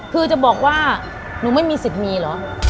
คือจะบอกว่าหนูไม่มีสิทธิ์มีเหรอ